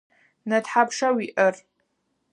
Нэ тхьапша уиӏэр?